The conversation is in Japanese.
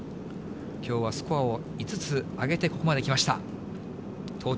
きょうはスコアを５つ上げてここまできました。